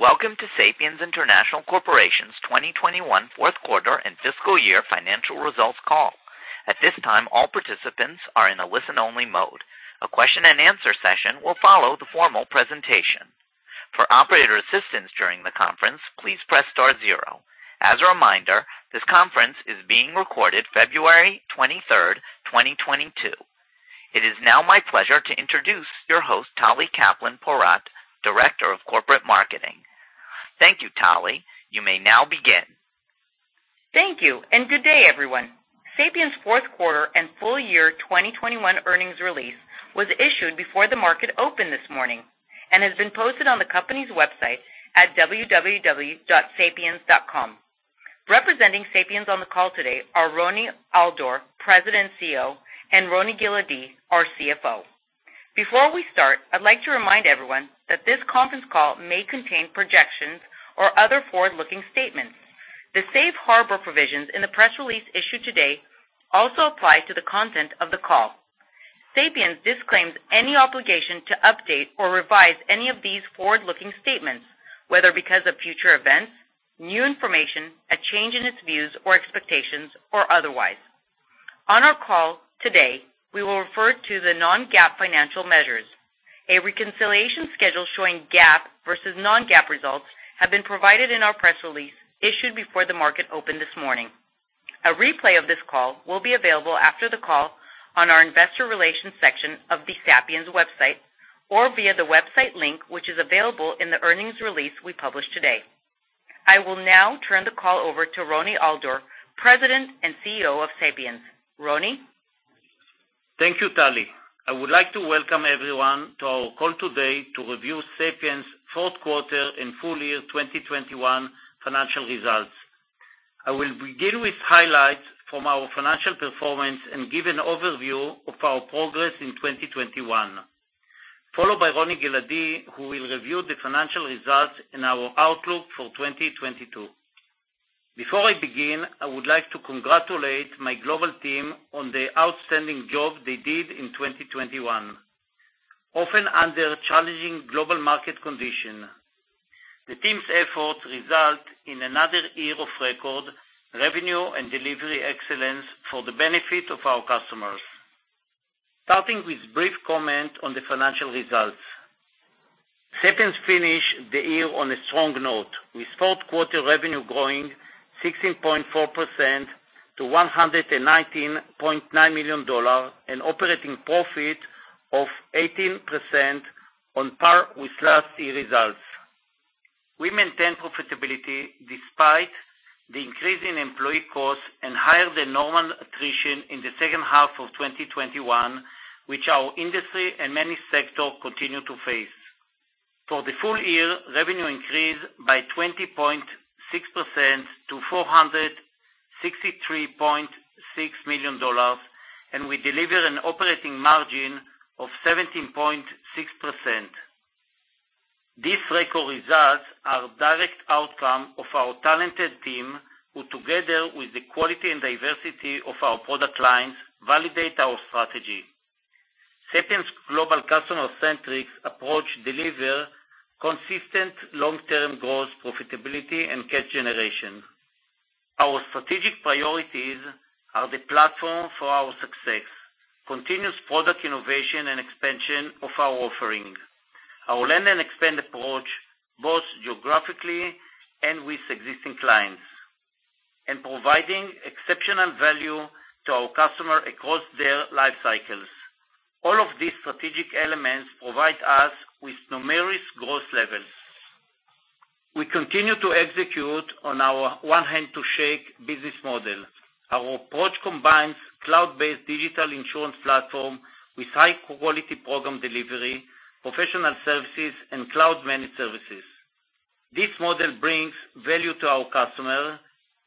Welcome to Sapiens International Corporation's 2021 fourth quarter and fiscal year financial results call. At this time, all participants are in a listen-only mode. A question and answer session will follow the formal presentation. For operator assistance during the conference, please press star zero. As a reminder, this conference is being recorded February 23, 2022. It is now my pleasure to introduce your host, Tali Kaplan Porat, Director of Corporate Marketing. Thank you, Tali. You may now begin. Thank you, and good day, everyone. Sapiens fourth quarter and full year 2021 earnings release was issued before the market opened this morning and has been posted on the company's website at www.sapiens.com. Representing Sapiens on the call today are Roni Al-Dor, President and CEO, and Roni Giladi, our CFO. Before we start, I'd like to remind everyone that this conference call may contain projections or other forward-looking statements. The safe harbor provisions in the press release issued today also apply to the content of the call. Sapiens disclaims any obligation to update or revise any of these forward-looking statements, whether because of future events, new information, a change in its views or expectations or otherwise. On our call today, we will refer to the non-GAAP financial measures. A reconciliation schedule showing GAAP versus non-GAAP results have been provided in our press release issued before the market opened this morning. A replay of this call will be available after the call on our investor relations section of the Sapiens website or via the website link, which is available in the earnings release we published today. I will now turn the call over to Roni Al-Dor, President and CEO of Sapiens. Roni? Thank you, Tali. I would like to welcome everyone to our call today to review Sapiens fourth quarter and full year 2021 financial results. I will begin with highlights from our financial performance and give an overview of our progress in 2021, followed by Roni Giladi, who will review the financial results and our outlook for 2022. Before I begin, I would like to congratulate my global team on the outstanding job they did in 2021, often under challenging global market conditions. The team's efforts result in another year of record revenue and delivery excellence for the benefit of our customers. Starting with brief comment on the financial results. Sapiens finished the year on a strong note, with fourth quarter revenue growing 16.4% to $119.9 million, and operating profit of 18% on par with last year results. We maintain profitability despite the increase in employee costs and higher than normal attrition in the second half of 2021, which our industry and many sectors continue to face. For the full year, revenue increased by 20.6% to $463.6 million, and we delivered an operating margin of 17.6%. These record results are a direct outcome of our talented team, who together with the quality and diversity of our product lines, validate our strategy. Sapiens global customer-centric approach deliver consistent long-term growth, profitability, and cash generation. Our strategic priorities are the platform for our success, continuous product innovation and expansion of our offering, our land and expand approach, both geographically and with existing clients, and providing exceptional value to our customers across their life cycles. All of these strategic elements provide us with numerous growth levels. We continue to execute on our one-handshake business model. Our approach combines cloud-based digital insurance platform with high-quality program delivery, professional services, and cloud-managed services. This model brings value to our customer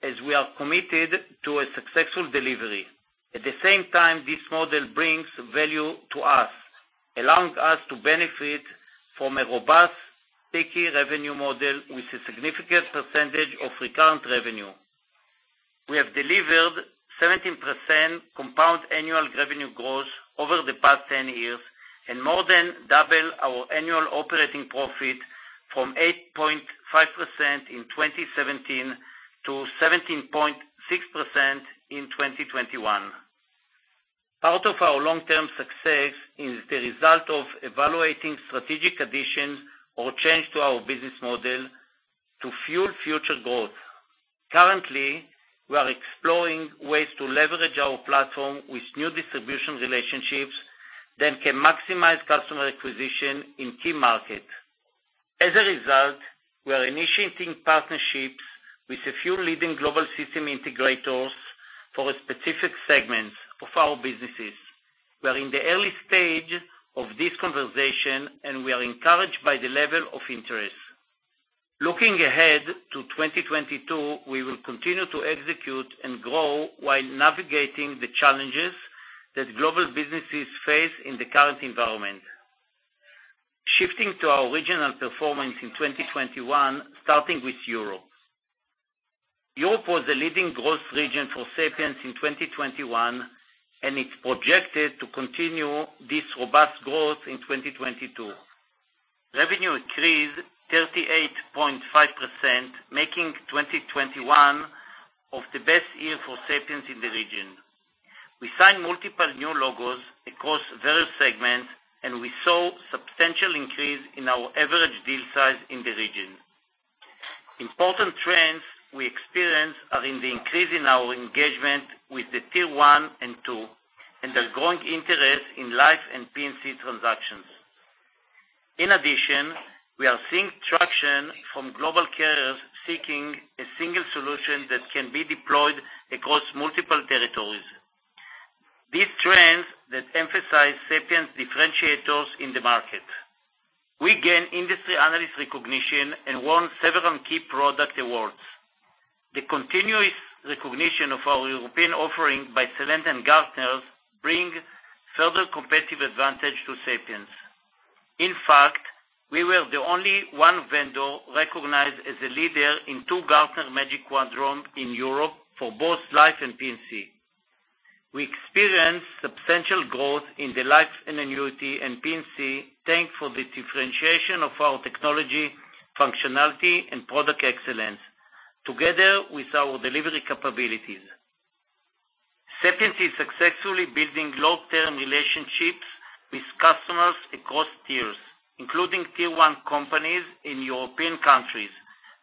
as we are committed to a successful delivery. At the same time, this model brings value to us, allowing us to benefit from a robust sticky revenue model with a significant percentage of recurring revenue. We have delivered 17% compound annual revenue growth over the past 10 years and more than doubled our annual operating profit from 8.5% in 2017 to 17.6% in 2021. Part of our long-term success is the result of evaluating strategic additions or changes to our business model to fuel future growth. Currently, we are exploring ways to leverage our platform with new distribution relationships that can maximize customer acquisition in key markets. As a result, we are initiating partnerships with a few leading global system integrators for specific segments of our businesses. We are in the early stage of this conversation, and we are encouraged by the level of interest. Looking ahead to 2022, we will continue to execute and grow while navigating the challenges that global businesses face in the current environment. Shifting to our regional performance in 2021, starting with Europe. Europe was the leading growth region for Sapiens in 2021, and it's projected to continue this robust growth in 2022. Revenue increased 38.5%, making 2021 one of the best years for Sapiens in the region. We signed multiple new logos across various segments, and we saw substantial increase in our average deal size in the region. Important trends we experienced are in the increase in our engagement with the tier one and two, and the growing interest in life and P&C transactions. In addition, we are seeing traction from global carriers seeking a single solution that can be deployed across multiple territories. These trends that emphasize Sapiens differentiators in the market. We gain industry analyst recognition and won several key product awards. The continuous recognition of our European offering by Celent and Gartner bring further competitive advantage to Sapiens. In fact, we were the only one vendor recognized as a leader in two Gartner Magic Quadrant in Europe for both life and P&C. We experienced substantial growth in the Life and Annuity and P&C, thanks to the differentiation of our technology, functionality, and product excellence, together with our delivery capabilities. Sapiens is successfully building long-term relationships with customers across tiers, including tier one companies in European countries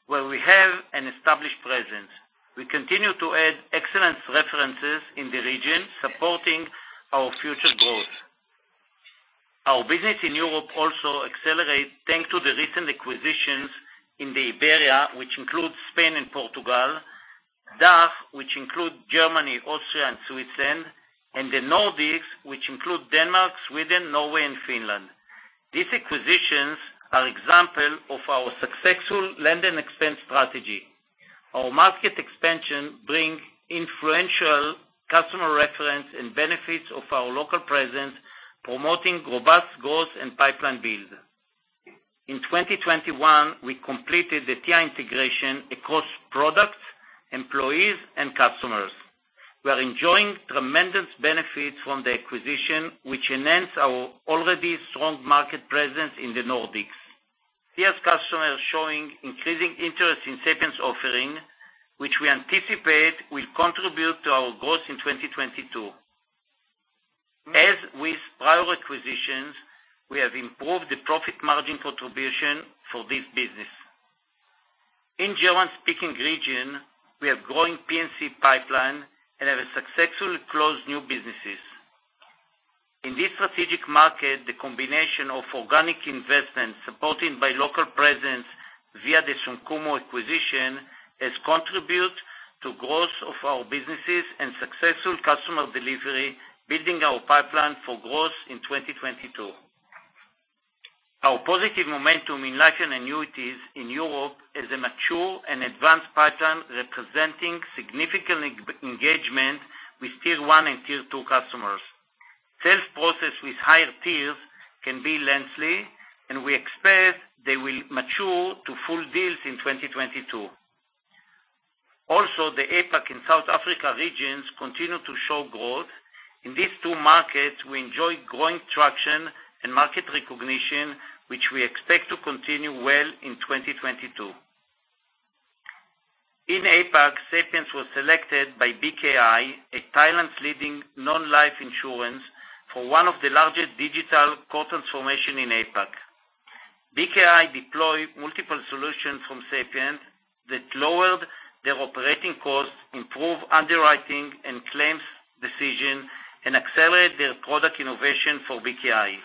where we have an established presence. We continue to add excellent references in the region, supporting our future growth. Our business in Europe also accelerate, thanks to the recent acquisitions in the Iberia, which includes Spain and Portugal, DACH, which include Germany, Austria, and Switzerland, and the Nordics, which include Denmark, Sweden, Norway, and Finland. These acquisitions are example of our successful land and expand strategy. Our market expansion bring influential customer reference and benefits of our local presence, promoting robust growth and pipeline build. In 2021, we completed the Tia integration across products, employees, and customers. We are enjoying tremendous benefits from the acquisition, which enhance our already strong market presence in the Nordics. Tia's customers showing increasing interest in Sapiens offering, which we anticipate will contribute to our growth in 2022. As with prior acquisitions, we have improved the profit margin contribution for this business. In German-speaking region, we have growing P&C pipeline and have successfully closed new businesses. In this strategic market, the combination of organic investments supported by local presence via the sum.cumo acquisition has contribute to growth of our businesses and successful customer delivery, building our pipeline for growth in 2022. Our positive momentum in life and annuities in Europe is a mature and advanced pattern representing significant engagement with tier one and tier two customers. Sales process with higher tiers can be lengthy, and we expect they will mature to full deals in 2022. The APAC and South Africa regions continue to show growth. In these two markets, we enjoy growing traction and market recognition, which we expect to continue well in 2022. In APAC, Sapiens was selected by BKI, Thailand's leading non-life insurer, for one of the largest digital core transformations in APAC. BKI deployed multiple solutions from Sapiens that lowered their operating costs, improved underwriting and claims decisions, and accelerated their product innovation for BKI.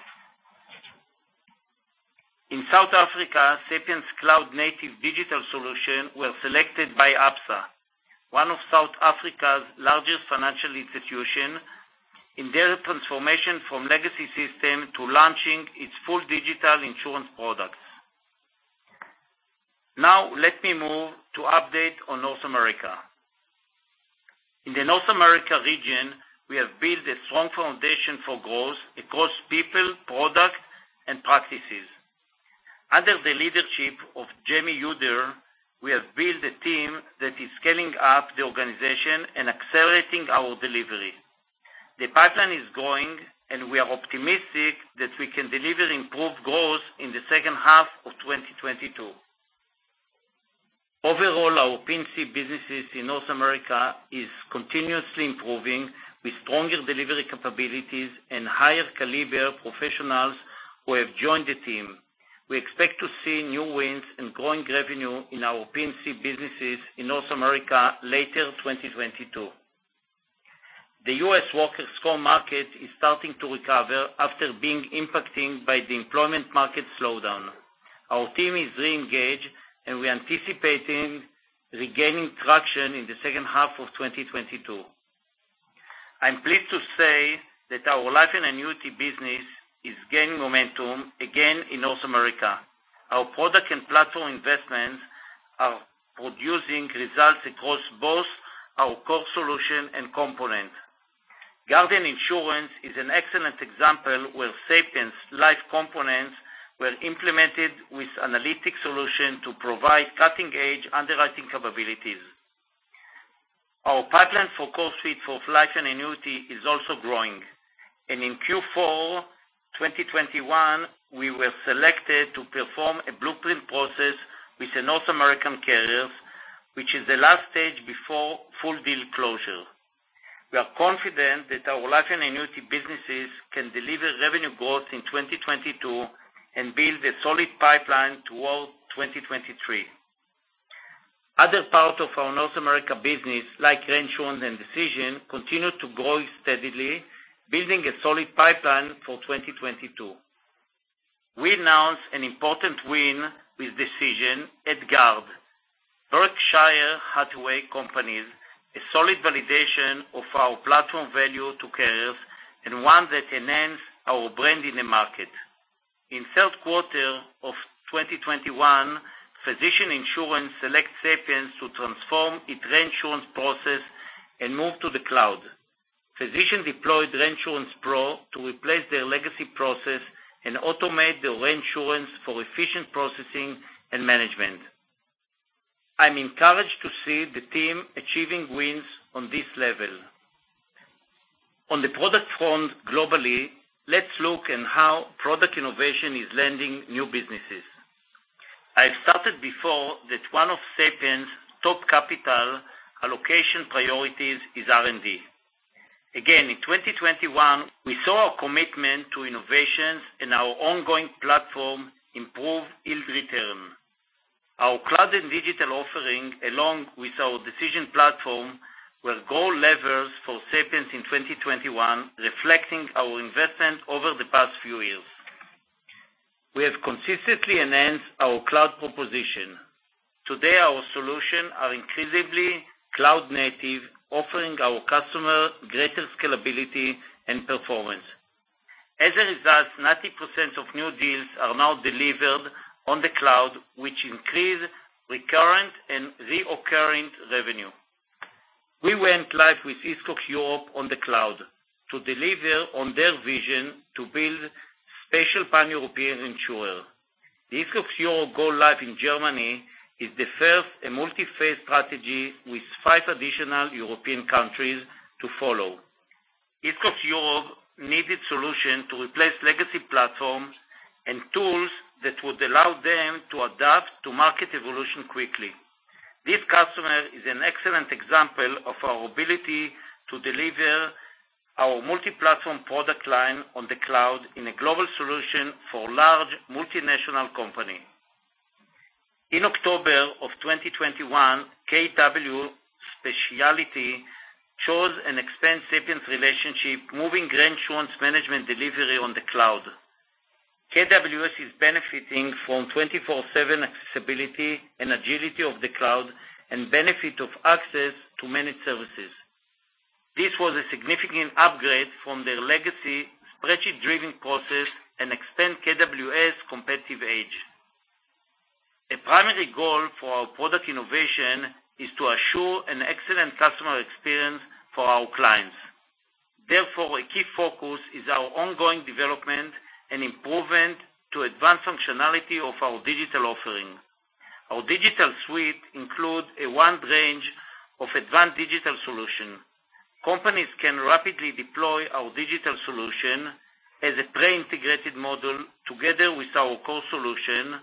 In South Africa, Sapiens cloud-native digital solutions were selected by Absa, one of South Africa's largest financial institutions, in their transformation from legacy systems to launching its full digital insurance products. Now, let me move to an update on North America. In the North America region, we have built a strong foundation for growth across people, product, and practices. Under the leadership of Jamie Yoder, we have built a team that is scaling up the organization and accelerating our delivery. The pipeline is growing, and we are optimistic that we can deliver improved growth in the second half of 2022. Overall, our P&C businesses in North America is continuously improving with stronger delivery capabilities and higher caliber professionals who have joined the team. We expect to see new wins and growing revenue in our P&C businesses in North America later 2022. The U.S. workers' comp market is starting to recover after being impacted by the employment market slowdown. Our team is re-engaged, and we're anticipating regaining traction in the second half of 2022. I'm pleased to say that our life and annuity business is gaining momentum again in North America. Our product and platform investments are producing results across both our core solution and components. Guardian Group is an excellent example where Sapiens' life components were implemented with analytics solution to provide cutting-edge underwriting capabilities. Our pipeline for CoreSuite for Life and Annuity is also growing. In Q4 2021, we were selected to perform a blueprint process with a North American carrier, which is the last stage before full deal closure. We are confident that our life and annuity businesses can deliver revenue growth in 2022 and build a solid pipeline towards 2023. Other part of our North America business, like reinsurance and Decision, continue to grow steadily, building a solid pipeline for 2022. We announced an important win with Decision at Berkshire Hathaway GUARD Insurance Companies, a solid validation of our platform value to carriers and one that enhances our brand in the market. In Q3 2021, Physicians Insurance selected Sapiens to transform its reinsurance process and move to the cloud. Physicians Insurance deployed Sapiens ReinsurancePro to replace their legacy process and automate the reinsurance for efficient processing and management. I'm encouraged to see the team achieving wins on this level. On the product front globally, let's look at how product innovation is landing new businesses. I stated before that one of Sapiens' top capital allocation priorities is R&D. Again, in 2021, we saw a commitment to innovations in our ongoing platform, improving yield and return. Our cloud and digital offering, along with our Decision platform, were growth levers for Sapiens in 2021, reflecting our investment over the past few years. We have consistently enhanced our cloud proposition. Today, our solutions are increasingly cloud native, offering our customers greater scalability and performance. As a result, 90% of new deals are now delivered on the cloud, which increases recurrent and recurring revenue. We went live with Hiscox EU on the cloud to deliver on their vision to build special pan-European insurer. The Hiscox EU go-live in Germany is the first in multi-phase strategy with five additional European countries to follow. Hiscox EU needed solution to replace legacy platforms and tools that would allow them to adapt to market evolution quickly. This customer is an excellent example of our ability to deliver our multi-platform product line on the cloud in a global solution for large multinational company. In October of 2021, KWS Specialty chose to expand Sapiens relationship, moving reinsurance management delivery on the cloud. KWS is benefiting from 24/7 accessibility and agility of the cloud and benefit of access to managed services. This was a significant upgrade from their legacy spreadsheet-driven process and extends our competitive edge. A primary goal for our product innovation is to assure an excellent customer experience for our clients. Therefore, a key focus is our ongoing development and improvement to advance functionality of our DigitalSuite. Our DigitalSuite includes a wide range of advanced digital solutions. Companies can rapidly deploy our digital solutions as a pre-integrated model together with our core solution,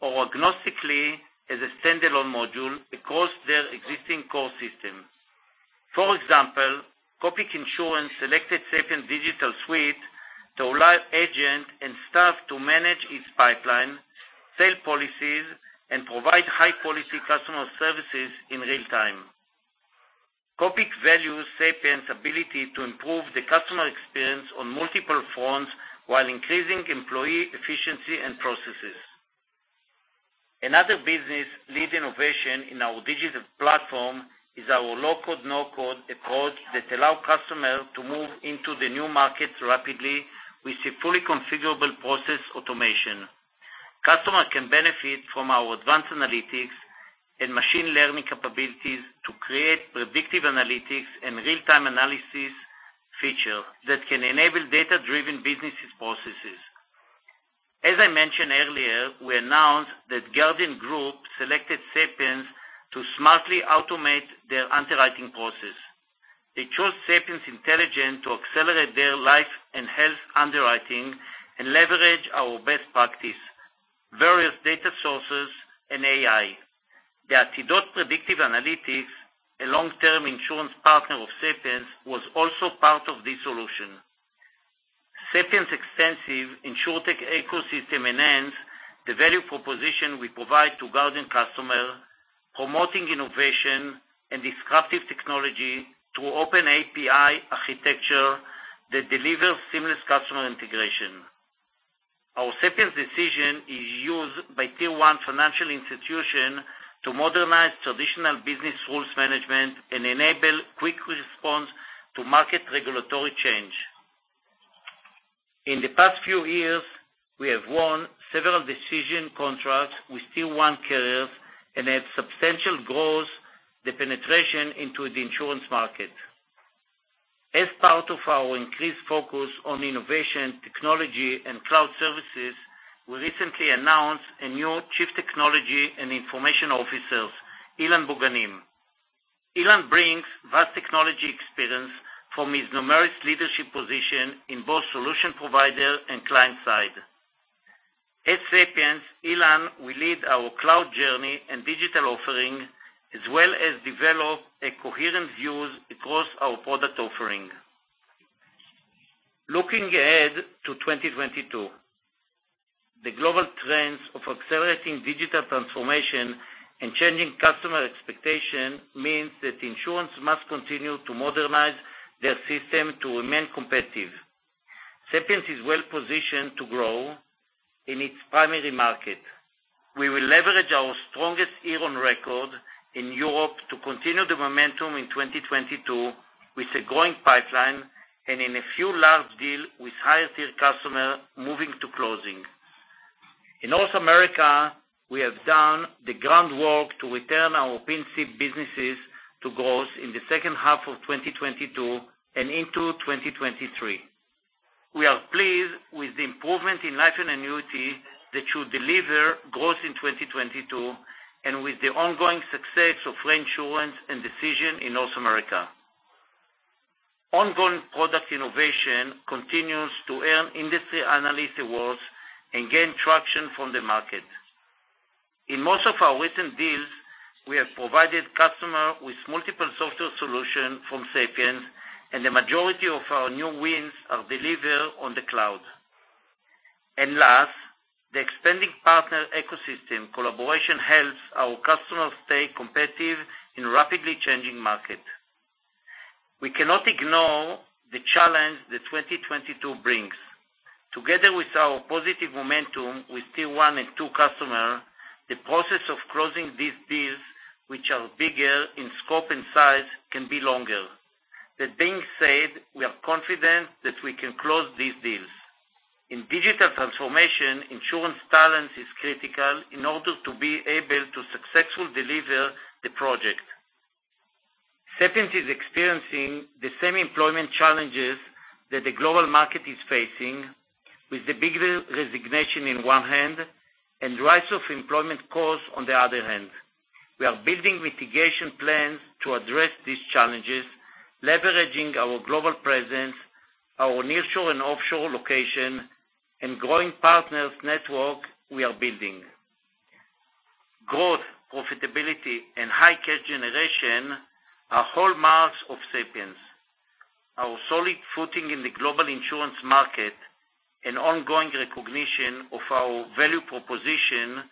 or agnostically as a standalone module across their existing core system. For example, COPIC Insurance selected Sapiens DigitalSuite to allow agents and staff to manage its pipeline, sell policies, and provide high-quality customer service in real time. COPIC values Sapiens' ability to improve the customer experience on multiple fronts while increasing employee efficiency and processes. Another business-led innovation in our digital platform is our low-code, no-code approach that allows customers to move into the new markets rapidly with a fully configurable process automation. Customers can benefit from our advanced analytics and machine learning capabilities to create predictive analytics and real-time analysis features that can enable data-driven business processes. As I mentioned earlier, we announced that Guardian Group selected Sapiens to smartly automate their underwriting process. They chose Sapiens' intelligence to accelerate their life and health underwriting and leverage our best practices, various data sources, and AI. The Atidot Predictive Analytics, a long-term insurance partner of Sapiens, was also part of this solution. Sapiens' extensive Insurtech ecosystem enhances the value proposition we provide to Guardian customers, promoting innovation and disruptive technology through open API architecture that delivers seamless customer integration. Our Sapiens Decision is used by tier-one financial institution to modernize traditional business rules management and enable quick response to market regulatory change. In the past few years, we have won several decision contracts with tier one carriers and had substantial growth in the penetration into the insurance market. As part of our increased focus on innovation, technology, and cloud services, we recently announced a new Chief Technology and Information Officer, Ilan Buganim. Ilan brings vast technology experience from his numerous leadership positions in both solution provider and client side. At Sapiens, Ilan will lead our cloud journey and digital offering as well as develop a coherent view across our product offering. Looking ahead to 2022, the global trends of accelerating digital transformation and changing customer expectation means that insurance must continue to modernize their system to remain competitive. Sapiens is well-positioned to grow in its primary market. We will leverage our strongest year on record in Europe to continue the momentum in 2022 with a growing pipeline and in a few large deal with higher tier customer moving to closing. In North America, we have done the groundwork to return our P&C businesses to growth in the second half of 2022 and into 2023. We are pleased with the improvement in life and annuity that should deliver growth in 2022, and with the ongoing success of reinsurance and decision in North America. Ongoing product innovation continues to earn industry analyst awards and gain traction from the market. In most of our recent deals, we have provided customer with multiple software solution from Sapiens, and the majority of our new wins are delivered on the cloud. Last, the expanding partner ecosystem collaboration helps our customers stay competitive in a rapidly changing market. We cannot ignore the challenge that 2022 brings. Together with our positive momentum with tier one and two customer, the process of closing these deals, which are bigger in scope and size, can be longer. That being said, we are confident that we can close these deals. In digital transformation, insurance talent is critical in order to be able to successfully deliver the project. Sapiens is experiencing the same employment challenges that the global market is facing with the Great Resignation in one hand and rise of employment costs on the other hand. We are building mitigation plans to address these challenges, leveraging our global presence, our nearshore and offshore location, and growing partners network we are building. Growth, profitability, and high cash generation are hallmarks of Sapiens. Our solid footing in the global insurance market and ongoing recognition of our value proposition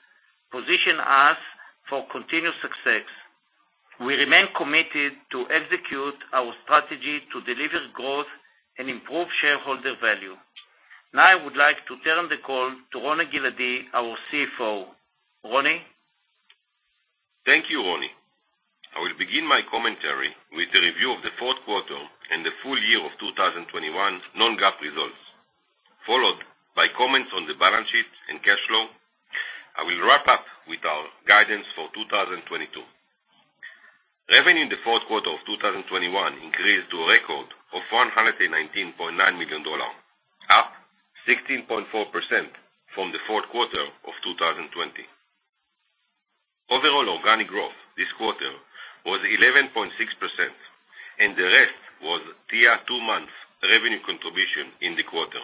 position us for continued success. We remain committed to execute our strategy to deliver growth and improve shareholder value. Now I would like to turn the call to Roni Giladi, our CFO. Roni? Thank you, Roni. I will begin my commentary with a review of the fourth quarter and the full year of 2021 non-GAAP results, followed by comments on the balance sheet and cash flow. I will wrap up with our guidance for 2022. Revenue in the fourth quarter of 2021 increased to a record of $119.9 million, up 16.4% from the fourth quarter of 2020. Overall organic growth this quarter was 11.6%, and the rest was Tia two-month revenue contribution in the quarter.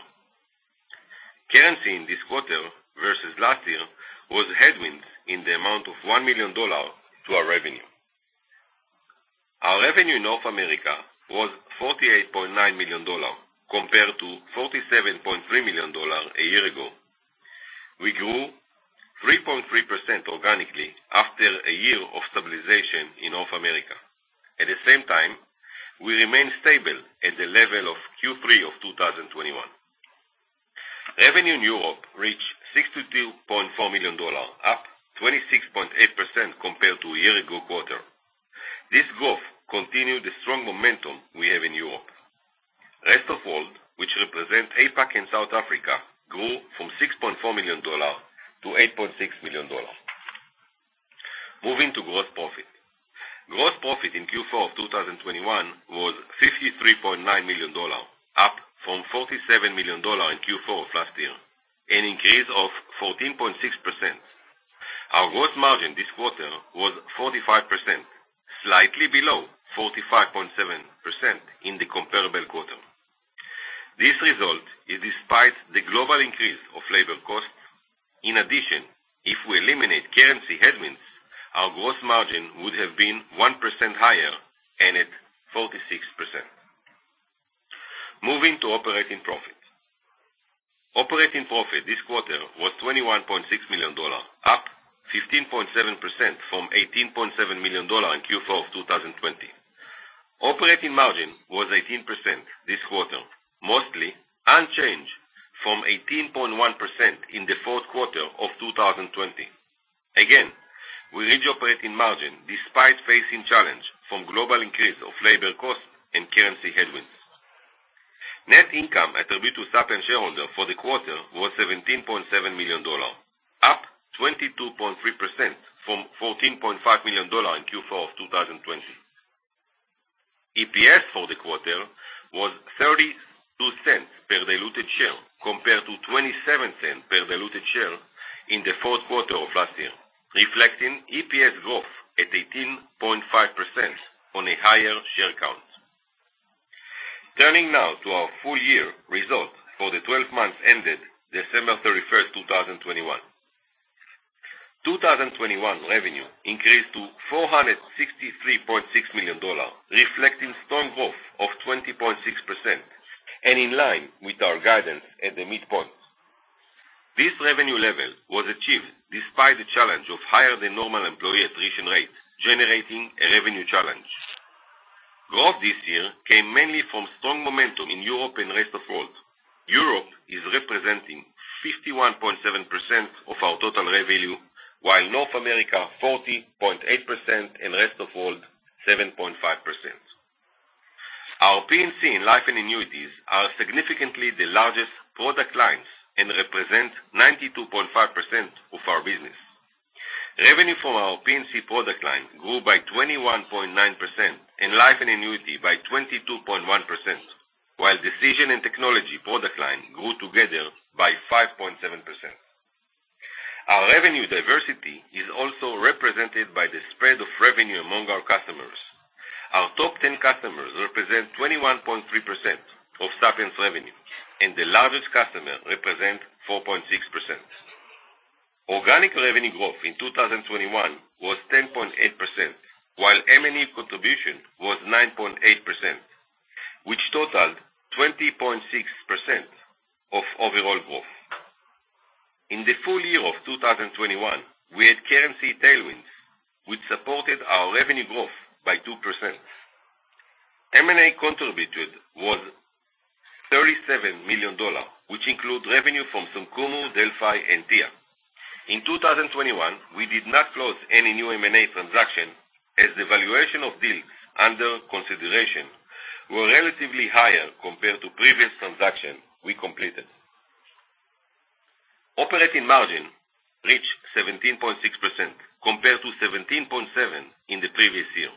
Currency in this quarter versus last year was headwinds in the amount of $1 million to our revenue. Our revenue in North America was $48.9 million, compared to $47.3 million a year ago. We grew 3.3% organically after a year of stabilization in North America. At the same time, we remain stable at the level of Q3 of 2021. Revenue in Europe reached $62.4 million, up 26.8% compared to a year ago quarter. This growth continued the strong momentum we have in Europe. Rest of world, which represent APAC and South Africa, grew from $6.4 million to $8.6 million. Moving to gross profit. Gross profit in Q4 of 2021 was $53.9 million, up from $47 million in Q4 of last year, an increase of 14.6%. Our gross margin this quarter was 45%, slightly below 45.7% in the comparable quarter. This result is despite the global increase of labor costs. In addition, if we eliminate currency headwinds, our gross margin would have been 1% higher and at 46%. Moving to operating profit. Operating profit this quarter was $21.6 million, up 15.7% from $18.7 million in Q4 of 2020. Operating margin was 18% this quarter, mostly unchanged from 18.1% in the fourth quarter of 2020. We reach operating margin despite facing challenges from global increase of labor costs and currency headwinds. Net income attributable to Sapiens shareholders for the quarter was $17.7 million, up 22.3% from $14.5 million in Q4 of 2020. EPS for the quarter was 32 cents per diluted share, compared to 27 cents per diluted share in the fourth quarter of last year, reflecting EPS growth at 18.5% on a higher share count. Turning now to our full year results for the 12 months ended December 31, 2021. 2021 revenue increased to $463.6 million, reflecting strong growth of 20.6%, and in line with our guidance at the midpoint. This revenue level was achieved despite the challenge of higher than normal employee attrition rate, generating a revenue challenge. Growth this year came mainly from strong momentum in Europe and rest of world. Europe is representing 51.7% of our total revenue, while North America, 40.8% and rest of world, 7.5%. Our P&C and Life & Annuities are significantly the largest product lines and represent 92.5% of our business. Revenue from our P&C product line grew by 21.9%, and Life & Annuities by 22.1%. While Decision and Technology product line grew together by 5.7%. Our revenue diversity is also represented by the spread of revenue among our customers. Our top ten customers represent 21.3% of Sapiens' revenue, and the largest customer represents 4.6%. Organic revenue growth in 2021 was 10.8%, while M&A contribution was 9.8%, which totaled 20.6% of overall growth. In the full year of 2021, we had currency tailwinds, which supported our revenue growth by 2%. M&A contributed was $37 million, which include revenue from StoneRiver, Delphi and Tia. In 2021, we did not close any new M&A transaction as the valuation of deals under consideration were relatively higher compared to previous transaction we completed. Operating margin reached 17.6% compared to 17.7% in the previous year.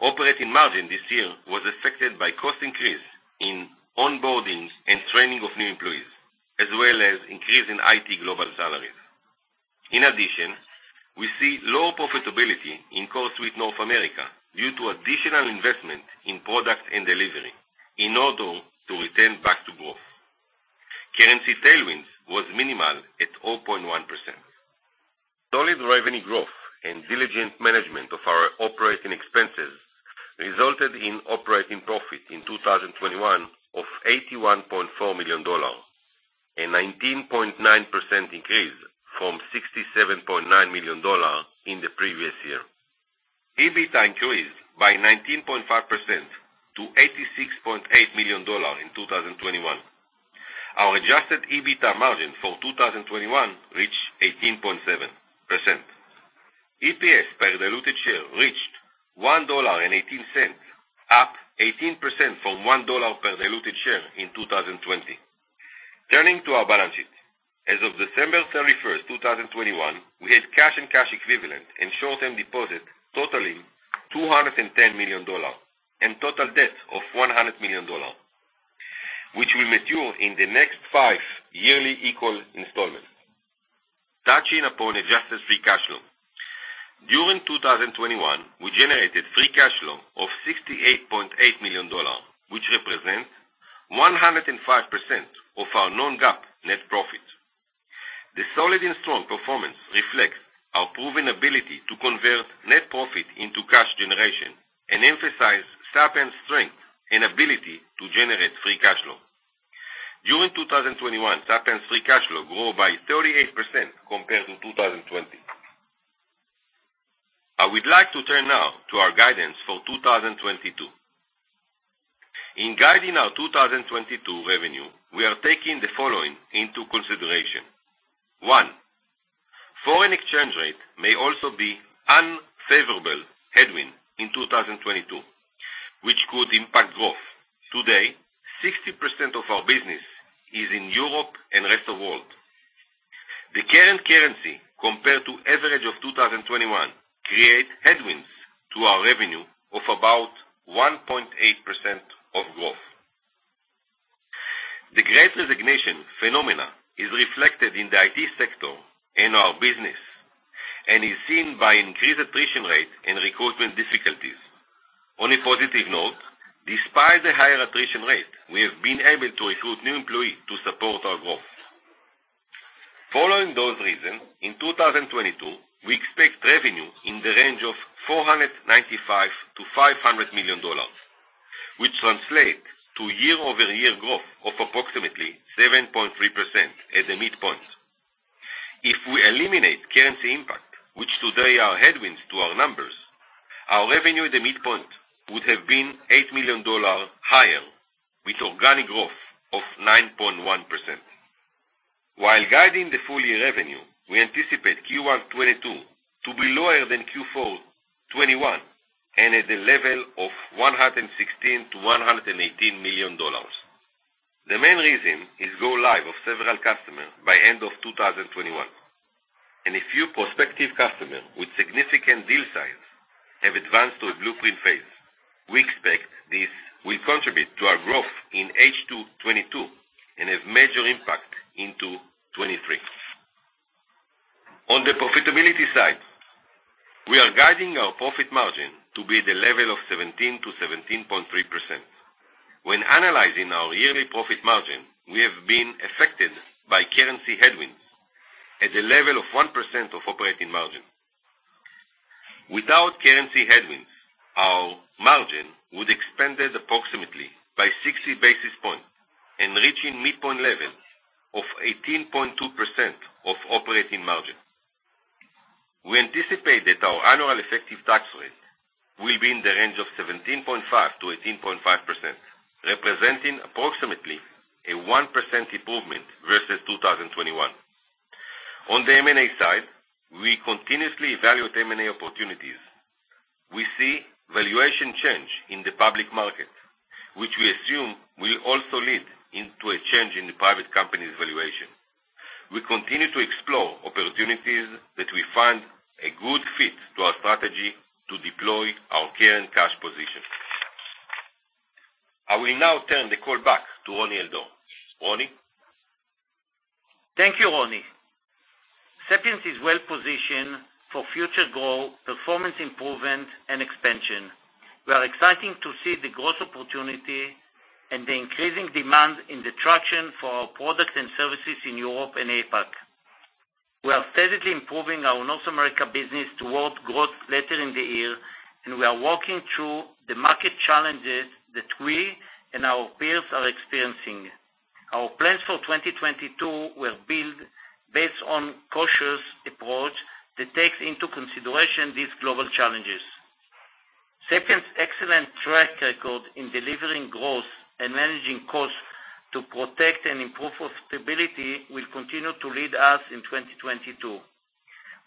Operating margin this year was affected by cost increase in onboarding and training of new employees, as well as increase in IT global salaries. In addition, we see low profitability in CoreSuite North America due to additional investment in products and delivery in order to return back to growth. Currency tailwind was minimal at 0.1%. Solid revenue growth and diligent management of our operating expenses resulted in operating profit in 2021 of $81.4 million, a 19.9% increase from $67.9 million in the previous year. EBITDA increased by 19.5% to $86.8 million in 2021. Our adjusted EBITDA margin for 2021 reached 18.7%. EPS per diluted share reached $1.18, up 18% from $1 per diluted share in 2020. Turning to our balance sheet. As of December 31, 2021, we had cash and cash equivalents and short-term deposits totaling $210 million, and total debt of $100 million, which will mature in the next five yearly equal installments. Touching upon adjusted free cash flow. During 2021, we generated free cash flow of $68.8 million, which represents 105% of our non-GAAP net profit. The solid and strong performance reflects our proven ability to convert net profit into cash generation and emphasize Sapiens' strength and ability to generate free cash flow. During 2021, Sapiens' free cash flow grew by 38% compared to 2020. I would like to turn now to our guidance for 2022. In guiding our 2022 revenue, we are taking the following into consideration. One, foreign exchange rate may also be unfavorable headwind in 2022, which could impact growth. Today, 60% of our business is in Europe and rest of world. The current currency, compared to average of 2021, create headwinds to our revenue of about 1.8% of growth. The great resignation phenomena is reflected in the IT sector in our business and is seen by increased attrition rate and recruitment difficulties. On a positive note, despite the higher attrition rate, we have been able to recruit new employee to support our growth. Following those reasons, in 2022, we expect revenue in the range of $495 million-$500 million, which translate to year-over-year growth of approximately 7.3% as a midpoint. If we eliminate currency impact, which today are headwinds to our numbers. Our revenue at the midpoint would have been $8 million higher, with organic growth of 9.1%. While guiding the full year revenue, we anticipate Q1 2022 to be lower than Q4 2021 and at a level of $116 million-$118 million. The main reason is go live of several customers by end of 2021, and a few prospective customers with significant deal size have advanced to a blueprint phase. We expect this will contribute to our growth in H2 2022 and have major impact into 2023. On the profitability side, we are guiding our profit margin to be at a level of 17%-17.3%. When analyzing our yearly profit margin, we have been affected by currency headwind at a level of 1% of operating margin. Without currency headwinds, our margin would expanded approximately by 60 basis points and reaching midpoint level of 18.2% of operating margin. We anticipate that our annual effective tax rate will be in the range of 17.5%-18.5%, representing approximately a 1% improvement versus 2021. On the M&A side, we continuously evaluate M&A opportunities. We see valuation change in the public market, which we assume will also lead into a change in the private company's valuation. We continue to explore opportunities that we find a good fit to our strategy to deploy our current cash position. I will now turn the call back to Roni Al-Dor. Roni? Thank you, Roni. Sapiens is well-positioned for future growth, performance improvement, and expansion. We are excited to see the growth opportunity and the increasing demand and traction for our products and services in Europe and APAC. We are steadily improving our North America business towards growth later in the year, and we are working through the market challenges that we and our peers are experiencing. Our plans for 2022 will build based on a cautious approach that takes into consideration these global challenges. Sapiens's excellent track record in delivering growth and managing costs to protect and improve profitability will continue to lead us in 2022.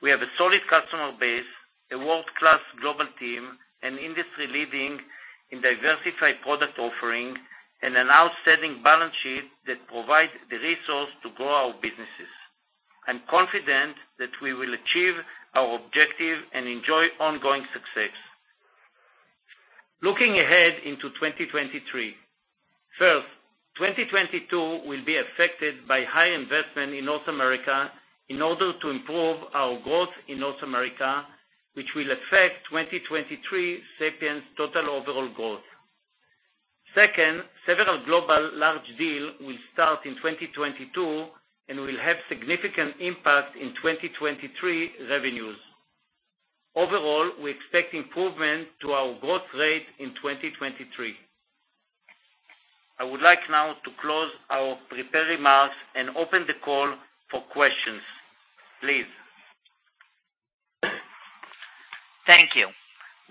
We have a solid customer base, a world-class global team, and industry-leading and diversified product offering, and an outstanding balance sheet that provides the resources to grow our businesses. I'm confident that we will achieve our objective and enjoy ongoing success. Looking ahead into 2023. First, 2022 will be affected by high investment in North America in order to improve our growth in North America, which will affect 2023 Sapiens's total overall growth. Second, several global large deals will start in 2022 and will have significant impact in 2023 revenues. Overall, we expect improvement to our growth rate in 2023. I would like now to close our prepared remarks and open the call for questions. Please. Thank you.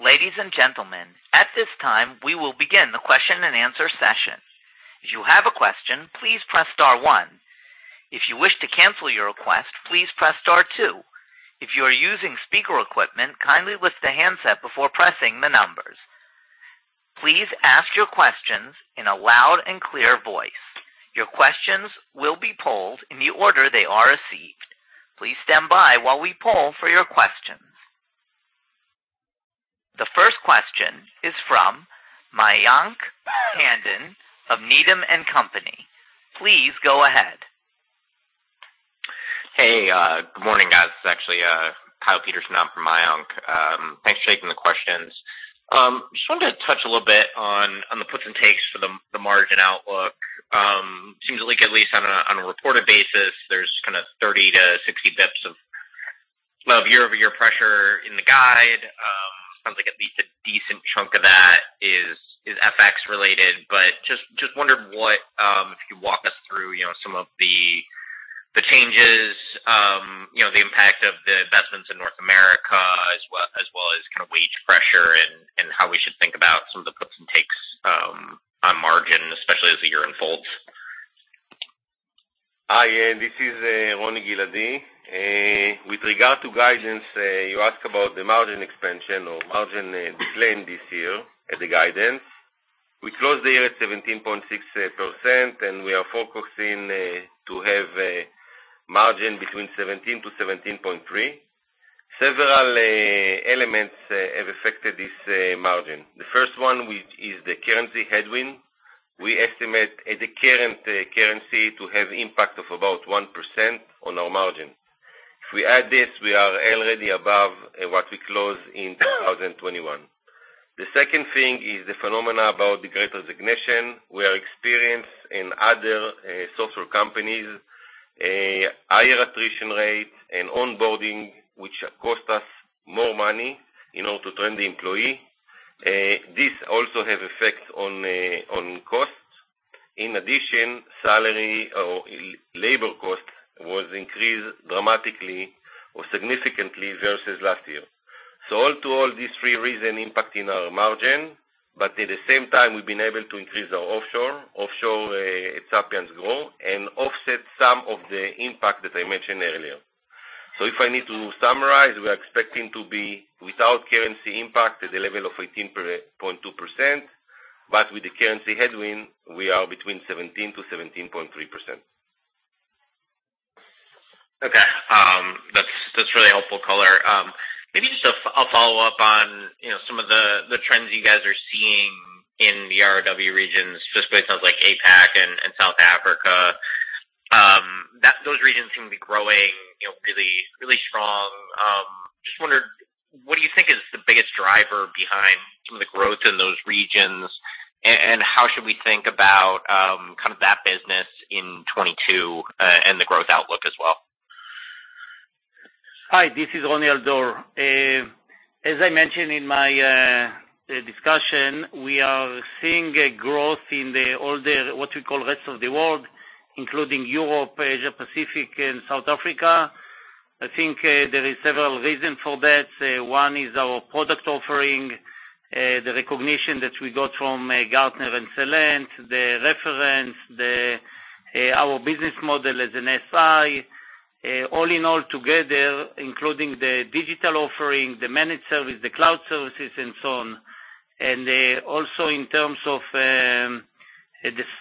Ladies and gentlemen, at this time, we will begin the question-and-answer session. If you have a question, please press star one. If you wish to cancel your request, please press star two. If you are using speaker equipment, kindly lift the handset before pressing the numbers. Please ask your questions in a loud and clear voice. Your questions will be polled in the order they are received. Please stand by while we poll for your questions. The first question is from Mayank Tandon of Needham & Company. Please go ahead. Good morning, guys. This is actually Kyle Peterson. I'm from Mayank. Thanks for taking the questions. Just wanted to touch a little bit on the puts and takes for the margin outlook. Seems like at least on a reported basis, there's kind of 30-60 basis points of well, year-over-year pressure in the guide. Sounds like at least a decent chunk of that is FX related, but just wondered what if you walk us through, you know, some of the changes, you know, the impact of the investments in North America, as well as kind of wage pressure and how we should think about some of the puts and takes on margin, especially as the year unfolds. Hi, this is Roni Giladi. With regard to guidance, you ask about the margin expansion or margin decline this year as a guidance. We closed the year at 17.6%, and we are focusing to have a margin between 17%-17.3%. Several elements have affected this margin. The first one which is the currency headwind. We estimate at the current currency to have impact of about 1% on our margin. If we add this, we are already above what we closed in 2021. The second thing is the phenomenon about the great resignation we are experienced in other software companies, higher attrition rates and onboarding, which cost us more money in order to train the employee. This also has effects on cost. In addition, salary or labor cost was increased dramatically or significantly versus last year. All in all, these three reasons impacting our margin, but at the same time we've been able to increase our offshore Sapiens's growth and offset some of the impact that I mentioned earlier. If I need to summarize, we are expecting to be without currency impact at the level of 18.2%, but with the currency headwind, we are between 17%-17.3%. Okay, that's really helpful color. Maybe just a follow-up on, you know, some of the trends you guys are seeing in the ROW regions, specifically sounds like APAC and South Africa. Those regions seem to be growing, you know, really strong. Just wondered, what do you think is the biggest driver behind some of the growth in those regions, and how should we think about kind of that business in 2022, and the growth outlook as well? Hi, this is Roni Al-Dor. As I mentioned in my discussion, we are seeing a growth in all the what we call rest of the world, including Europe, Asia Pacific and South Africa. I think, there is several reasons for that. One is our product offering, the recognition that we got from Gartner and Celent, the reference, our business model as an SI. All in all together, including the digital offering, the managed service, the cloud services and so on. Also in terms of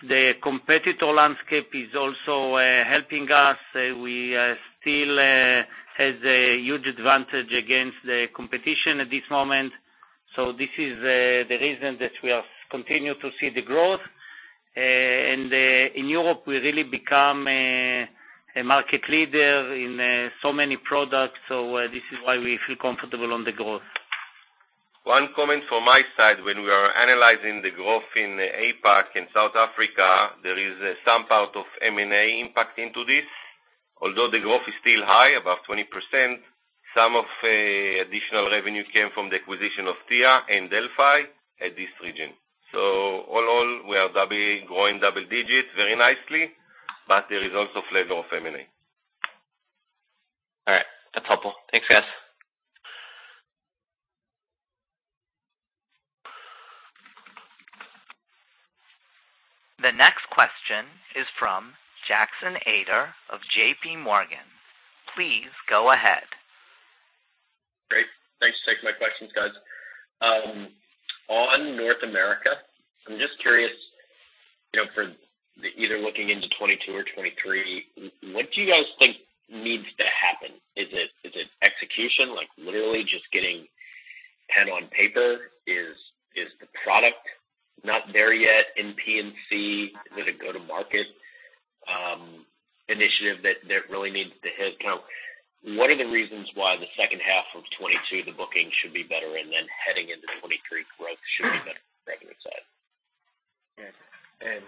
the competitor landscape is also helping us. We still has a huge advantage against the competition at this moment. This is the reason that we are continue to see the growth. In Europe, we really become a market leader in so many products, so this is why we feel comfortable on the growth. One comment from my side, when we are analyzing the growth in APAC and South Africa, there is some part of M&A impact into this. Although the growth is still high, above 20%, some of additional revenue came from the acquisition of Tia and Delphi at this region. All we are growing double digits very nicely, but there is also flavor of M&A. All right. That's helpful. Thanks, guys. The next question is from Jackson Ader of J.P. Morgan. Please go ahead. Great. Thanks for taking my questions, guys. On North America, I'm just curious, you know, for either looking into 2022 or 2023, what do you guys think needs to happen? Is it execution? Like, literally just getting pen on paper? Is the product not there yet in P&C? Is it a go to market initiative that really needs to hit home? What are the reasons why the second half of 2022, the bookings should be better and then heading into 2023 growth should be better revenue side? Yes.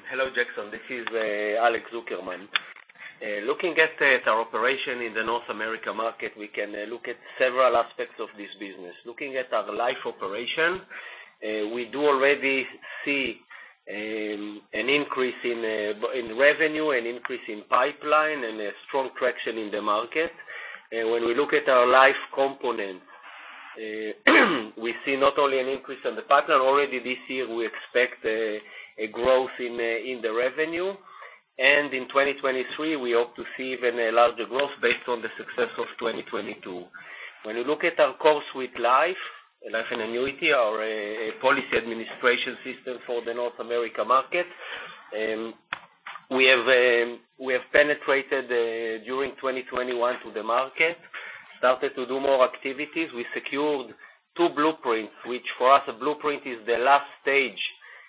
Hello, Jackson. This is Alex Zukerman. Looking at our operation in the North America market, we can look at several aspects of this business. Looking at our life operation, we do already see an increase in revenue, an increase in pipeline, and a strong traction in the market. When we look at our life component, we see not only an increase on the partner. Already this year, we expect a growth in the revenue. In 2023, we hope to see even a larger growth based on the success of 2022. When you look at our CoreSuite Life, life and annuity, our policy administration system for the North America market, we have penetrated during 2021 to the market, started to do more activities. We secured two blueprints, which for us, a blueprint is the last stage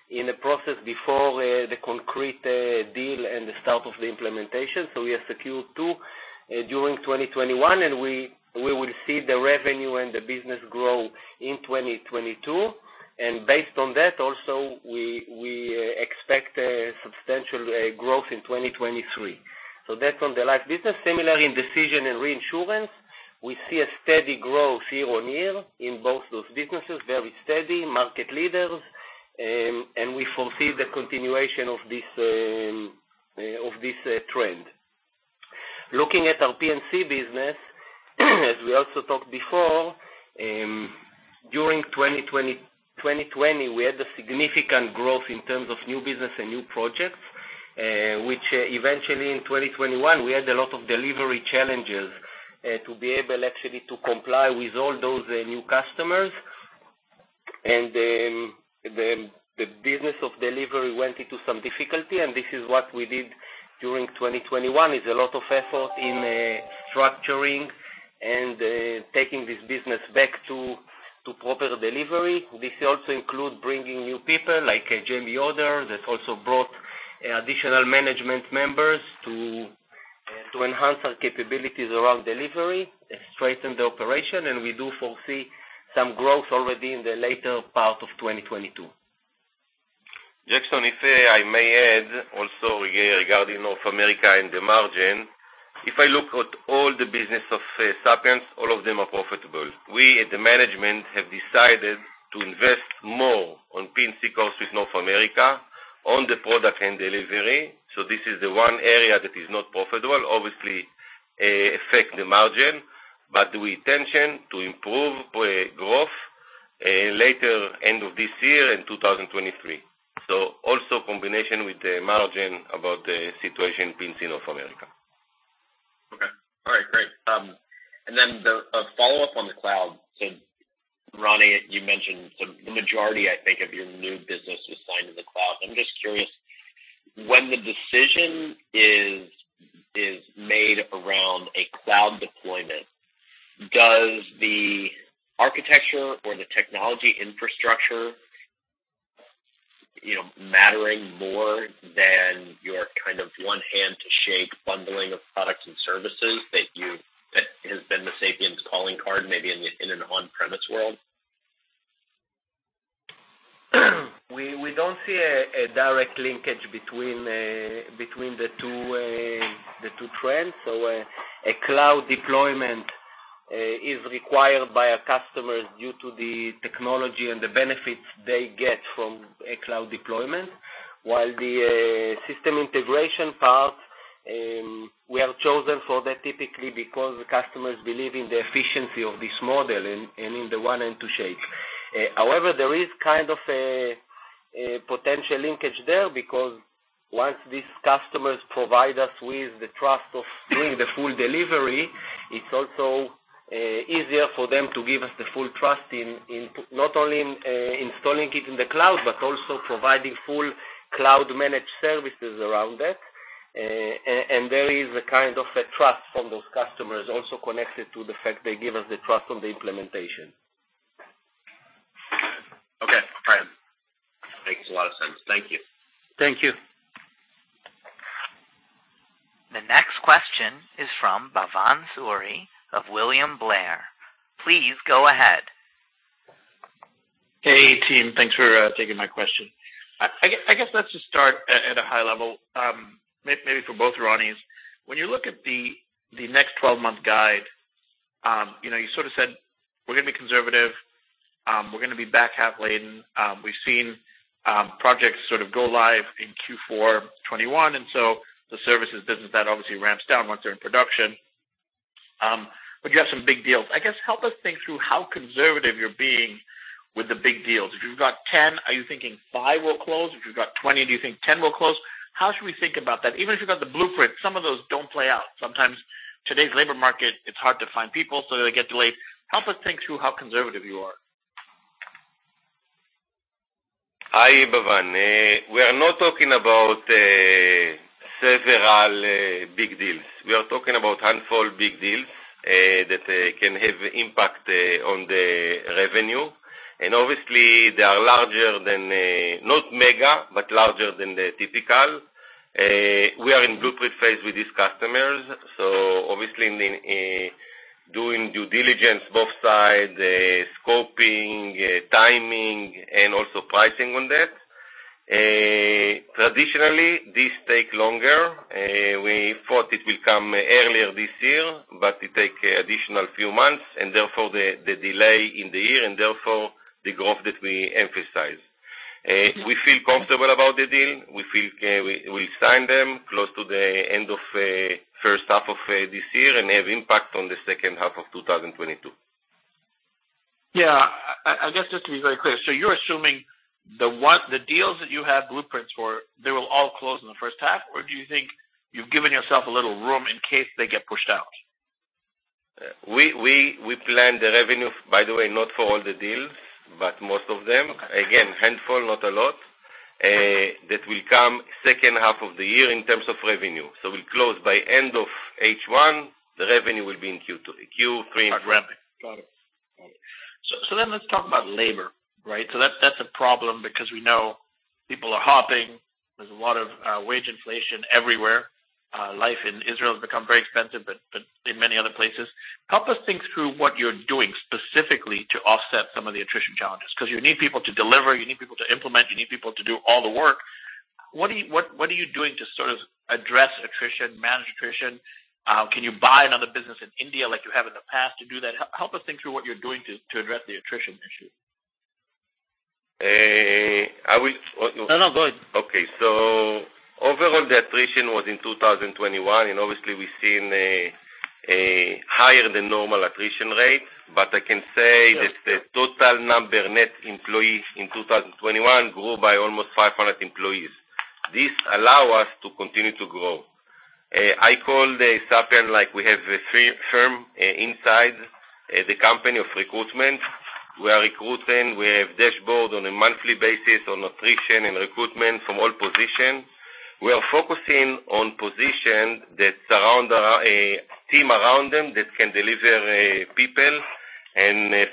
in a process before the concrete deal and the start of the implementation. We have secured two during 2021, and we will see the revenue and the business grow in 2022. Based on that also, we expect a substantial growth in 2023. That's on the life business. Similarly, in decision and reinsurance, we see a steady growth year on year in both those businesses, very steady, market leaders, and we foresee the continuation of this trend. Looking at our P&C business, as we also talked before, during 2020, we had a significant growth in terms of new business and new projects, which eventually in 2021, we had a lot of delivery challenges to be able actually to comply with all those new customers. The business of delivery went into some difficulty, and this is what we did during 2021, is a lot of effort in structuring and taking this business back to proper delivery. This also include bringing new people like Jamie Yoder, that also brought additional management members to enhance our capabilities around delivery and strengthen the operation. We do foresee some growth already in the later part of 2022. Jackson, if I may add also regarding North America and the margin. If I look at all the business of Sapiens, all of them are profitable. We at the management have decided to invest more on P&C with North America on the product and delivery. This is the one area that is not profitable, obviously, affect the margin, but we intention to improve growth later end of this year in 2023. Also combination with the margin about the situation P&C North America. Okay. All right, great. The follow-up on the cloud. Roni, you mentioned the majority I think of your new business is signed in the cloud. I'm just curious, when the decision is made around a cloud deployment, does the architecture or the technology infrastructure, you know, matter more than your kind of one hand to shake bundling of products and services that has been the Sapiens calling card maybe in an on-premise world? We don't see a direct linkage between the two trends. A cloud deployment is required by a customer due to the technology and the benefits they get from a cloud deployment. While the system integration part, we have chosen for that typically because customers believe in the efficiency of this model and on the one hand to shake. However, there is kind of a potential linkage there because once these customers provide us with the trust of doing the full delivery, it's also easier for them to give us the full trust in not only installing it in the cloud, but also providing full cloud managed services around it. There is a kind of a trust from those customers also connected to the fact they give us the trust on the implementation. Okay. All right. Makes a lot of sense. Thank you. Thank you. The next question is from Bhavan Suri of William Blair. Please go ahead. Hey, team. Thanks for taking my question. I guess let's just start at a high level, maybe for both Ronnies. When you look at the next 12-month guide, you know, you sort of said, "We're gonna be conservative, we're gonna be back half laden." We've seen projects sort of go live in Q4 2021, and so the services business that obviously ramps down once they're in production. You have some big deals. I guess help us think through how conservative you're being with the big deals. If you've got 10, are you thinking 5 will close? If you've got 20, do you think 10 will close? How should we think about that? Even if you've got the blueprint, some of those don't play out. Sometimes today's labor market, it's hard to find people, so they get delayed. Help us think through how conservative you are. Hi, Bhavan. We are not talking about several big deals. We are talking about handful big deals that can have impact on the revenue. Obviously, they are larger than not mega, but larger than the typical. We are in blueprint phase with these customers, so obviously doing due diligence both sides, scoping, timing, and also pricing on that. Traditionally, these take longer. We thought it will come earlier this year, but it take additional few months, and therefore the delay in the year, and therefore the growth that we emphasize. We feel comfortable about the deal. We feel we sign them close to the end of first half of this year and have impact on the second half of 2022. Yeah. I guess just to be very clear, so you're assuming the deals that you have blueprints for, they will all close in the first half? Or do you think you've given yourself a little room in case they get pushed out? We plan the revenue, by the way, not for all the deals, but most of them. Again, handful, not a lot, that will come second half of the year in terms of revenue. We'll close by end of H1, the revenue will be in Q2 and Q3. Got it. Then let's talk about labor, right? That's a problem because we know people are hopping. There's a lot of wage inflation everywhere. Life in Israel has become very expensive, but in many other places. Help us think through what you're doing specifically to offset some of the attrition challenges. 'Cause you need people to deliver, you need people to implement, you need people to do all the work. What are you doing to sort of address attrition, manage attrition? Can you buy another business in India like you have in the past to do that? Help us think through what you're doing to address the attrition issue. Uh, I will- No, no, go ahead. Overall, the attrition was in 2021, and obviously we've seen a higher than normal attrition rate. I can say that the total number net employees in 2021 grew by almost 500 employees. This allow us to continue to grow. We at Sapiens like we have a three-pronged initiative inside the company for recruitment. We are recruiting, we have dashboard on a monthly basis on attrition and recruitment from all position. We are focusing on position that surround our team around them that can deliver people.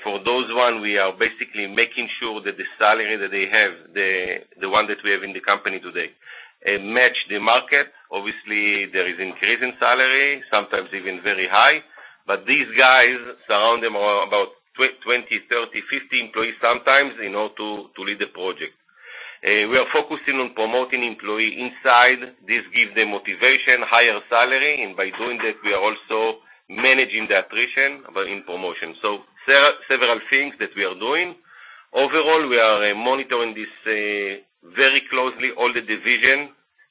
For those one, we are basically making sure that the salary that they have, the one that we have in the company today match the market. Obviously, there is increase in salary, sometimes even very high. These guys surround them about 20, 30, 50 employees sometimes in order to lead the project. We are focusing on promoting employee inside. This gives them motivation, higher salary, and by doing that, we are also managing the attrition, but in promotion. Several things that we are doing. Overall, we are monitoring this very closely, all the divisions.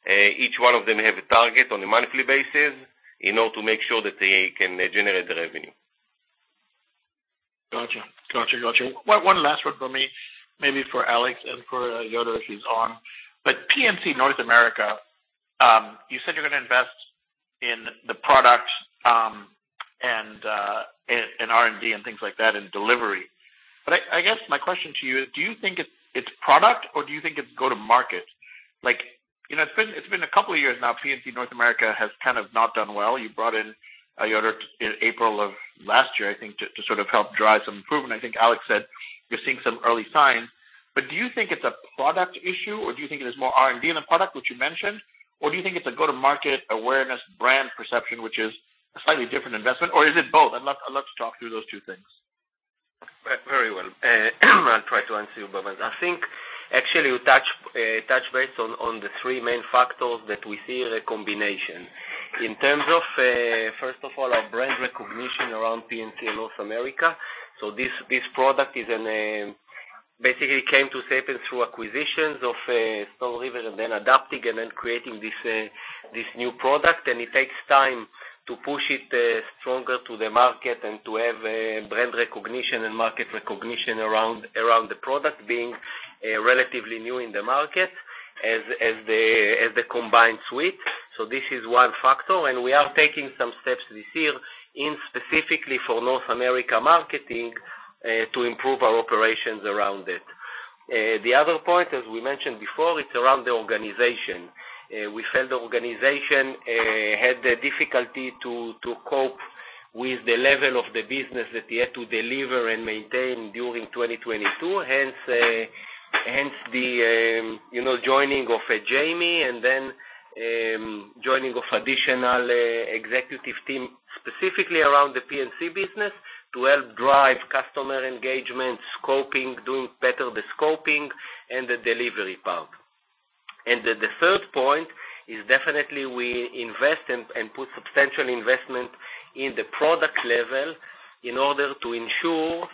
Each one of them have a target on a monthly basis in order to make sure that they can generate the revenue. Gotcha. One last one for me, maybe for Alex and for Yoder if he's on. P&C North America, you said you're gonna invest in the product, and R&D and things like that, and delivery. I guess my question to you is, do you think it's product or do you think it's go to market? Like, you know, it's been a couple of years now, P&C North America has kind of not done well. You brought in Yoder in April of last year, I think, to sort of help drive some improvement. I think Alex said you're seeing some early signs. Do you think it's a product issue, or do you think it is more R&D in the product, which you mentioned? Do you think it's a go-to-market awareness brand perception, which is a slightly different investment, or is it both? I'd love to talk through those two things. Very well. I'll try to answer you, Bhavan. I think actually you touch base on the three main factors that we see a combination. In terms of first of all, our brand recognition around P&C North America, so this product is an... Basically, it came to Sapiens through acquisitions of StoneRiver, and then adapting and then creating this new product. It takes time to push it stronger to the market and to have brand recognition and market recognition around the product being relatively new in the market as the combined suite. This is one factor, and we are taking some steps this year in specifically for North America marketing to improve our operations around it. The other point, as we mentioned before, it's around the organization. We felt the organization had a difficulty to cope with the level of the business that we had to deliver and maintain during 2022, hence the, you know, joining of Jamie and then joining of additional executive team specifically around the P&C business to help drive customer engagement, scoping, doing better the scoping and the delivery part. The third point is definitely we invest and put substantial investment in the product level in order to ensure,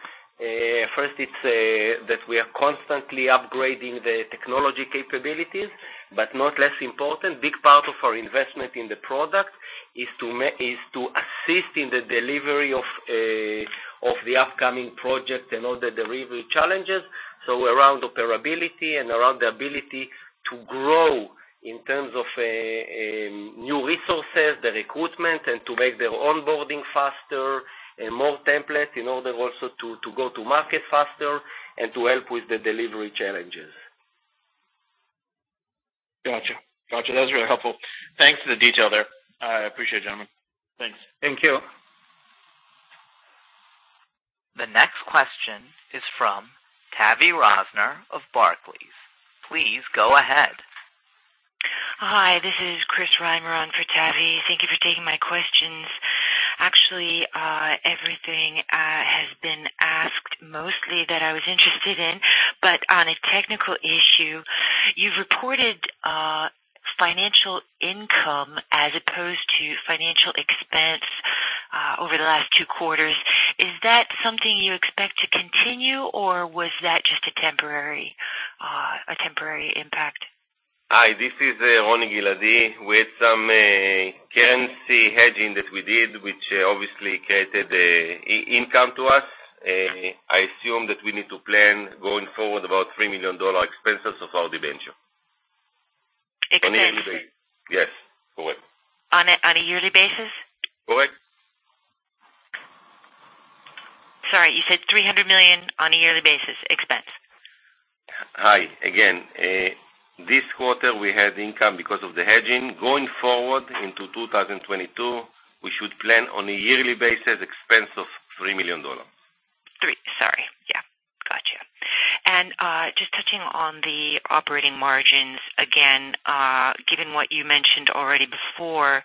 first it's that we are constantly upgrading the technology capabilities, but not less important, big part of our investment in the product is to assist in the delivery of the upcoming projects and all the delivery challenges, so around interoperability and around the ability to grow in terms of new resources, the recruitment, and to make their onboarding faster and more templated in order also to go to market faster and to help with the delivery challenges. Gotcha. That was really helpful. Thanks for the detail there. I appreciate it, gentlemen. Thanks. Thank you. The next question is from Tavy Rosner of Barclays. Please go ahead. Hi, this is Chris Reimer on for Tavy Rosner. Thank you for taking my questions. Actually, everything has been asked mostly that I was interested in, but on a technical issue, you've reported financial income as opposed to financial expense over the last two quarters. Is that something you expect to continue, or was that just a temporary impact? Hi, this is Roni Giladi. We had some currency hedging that we did, which obviously created income to us. I assume that we need to plan going forward about $3 million expenses of our debenture. Expense. Yes, correct. On a yearly basis? Correct. Sorry, you said $300 million on a yearly basis expense. Hi. Again, this quarter we had income because of the hedging. Going forward into 2022, we should plan on a yearly basis expense of $3 million. Sorry. Yeah, gotcha. Just touching on the operating margins again, given what you mentioned already before,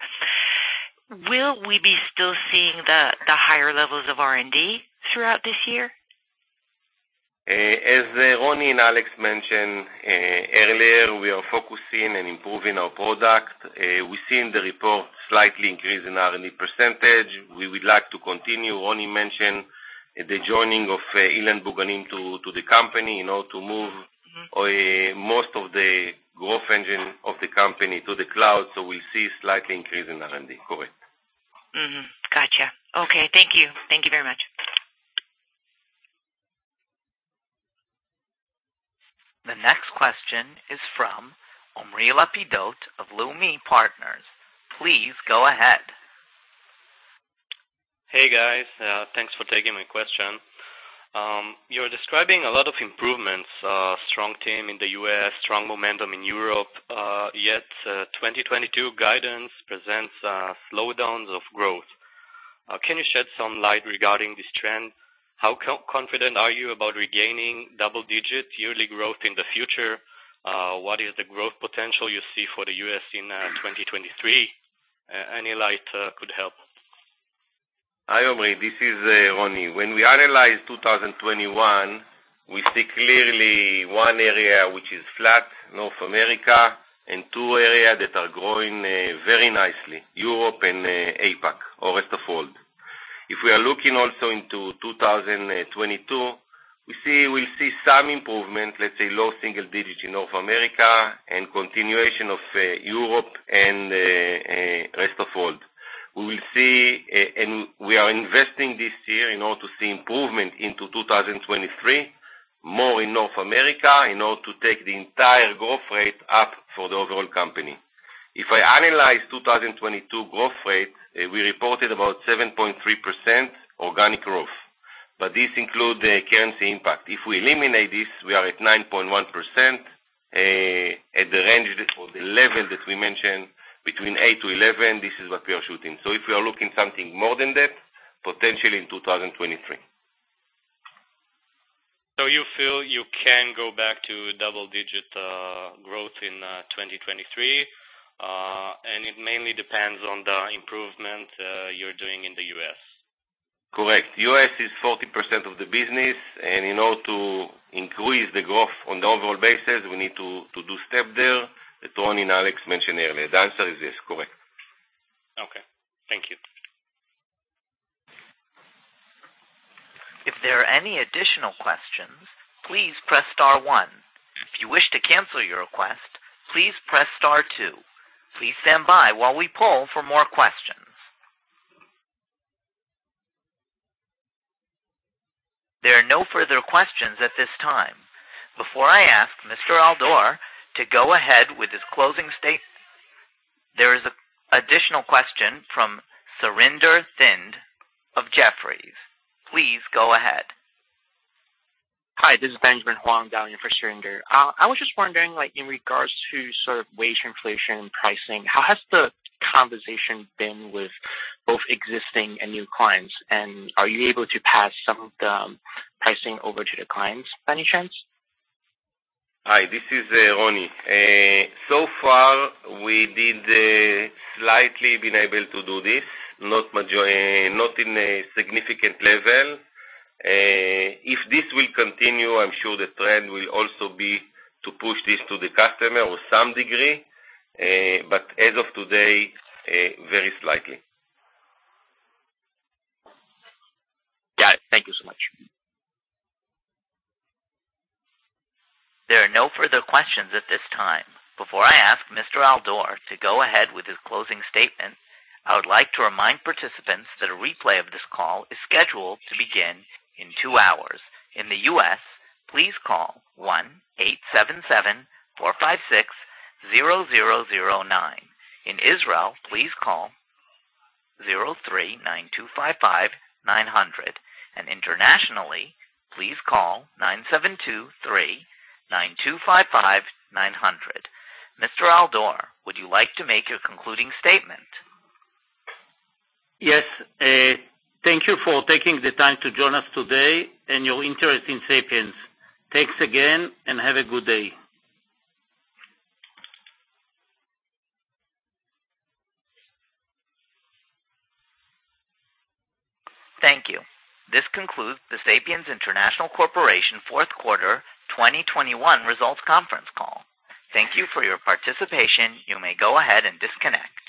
will we be still seeing the higher levels of R&D throughout this year? As Roni and Alex mentioned earlier, we are focusing and improving our product. We've seen reported slight increase in R&D percentage. We would like to continue. Roni mentioned the joining of Ilan Buganim to the company in order to move- Mm-hmm. most of the growth engine of the company to the cloud, so we'll see slight increase in R&D. Correct. Mm-hmm. Gotcha. Okay, thank you. Thank you very much. The next question is from Omri Lapidot of Leumi Partners. Please go ahead. Hey, guys. Thanks for taking my question. You're describing a lot of improvements, strong team in the U.S., strong momentum in Europe, yet, 2022 guidance presents slowdowns of growth. Can you shed some light regarding this trend? How confident are you about regaining double digits yearly growth in the future? What is the growth potential you see for the U.S. in 2023? Any light could help. Hi, Omri Lapidot. This is, Roni Al-Dor. When we analyze 2021, we see clearly one area which is flat, North America, and two areas that are growing, very nicely, Europe and, APAC or rest of world. If we are looking also into 2022, we'll see some improvement, let's say low single digits in North America and continuation of, Europe and, rest of world. We will see, and we are investing this year in order to see improvement into 2023, more in North America in order to take the entire growth rate up for the overall company. If I analyze 2022 growth rate, we reported about 7.3% organic growth, but this include the currency impact. If we eliminate this, we are at 9.1%, at the range that or the level that we mentioned between 8%-11%, this is what we are shooting. If we are looking something more than that, potentially in 2023. You feel you can go back to double-digit growth in 2023 and it mainly depends on the improvement you're doing in the U.S.? Correct. U.S. is 40% of the business. In order to increase the growth on the overall basis, we need to do step there that Roni and Alex mentioned earlier. The answer is yes, correct. Okay, thank you. Before I ask Mr. Al-Dor to go ahead with his closing statement. There is an additional question from Surinder Thind of Jefferies. Please go ahead. Hi, this is Benjamin Huang dialing in for Surinder. I was just wondering, like in regards to sort of wage inflation pricing, how has the conversation been with both existing and new clients, and are you able to pass some of the pricing over to the clients by any chance? Hi, this is Roni. So far, we did slightly been able to do this, not major, not in a significant level. If this will continue, I'm sure the trend will also be to push this to the customer or some degree, but as of today, very slightly. Got it. Thank you so much. There are no further questions at this time. Before I ask Mr. Al-Dor to go ahead with his closing statement, I would like to remind participants that a replay of this call is scheduled to begin in 2 hours. In the U.S., please call 1-877-456-0009. In Israel, please call 03-925-5900. Internationally, please call 972-3-925-5900. Mr. Al-Dor, would you like to make your concluding statement? Yes. Thank you for taking the time to join us today and your interest in Sapiens. Thanks again, and have a good day. Thank you. This concludes the Sapiens International Corporation fourth quarter 2021 results conference call. Thank you for your participation. You may go ahead and disconnect.